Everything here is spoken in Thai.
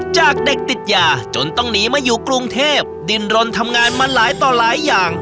จากเด็กติดยาจนต้องหนีมาอยู่กรุงเทพดินรนทำงานมาหลายต่อหลายอย่าง